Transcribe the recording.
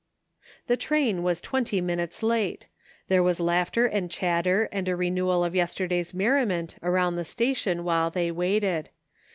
The train was twenty minutes late. There was laughter and chatter and a renewal of yesterday's mer riment around the station while they waited.